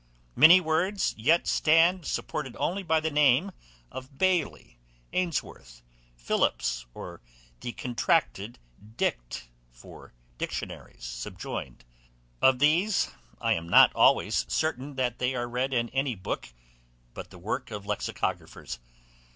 Many words yet stand supported only by the name of Bailey, Ainsworth, Philips, or the contracted Dict. for Dictionaries subjoined; of these I am not always certain that they are read in any book but the works of lexicographers.